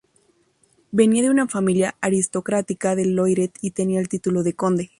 Venía de una familia aristocrática del Loiret, y tenía el título de conde.